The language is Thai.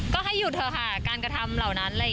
ก็ให้หยุดเถอะค่ะการกระทำเหล่านั้น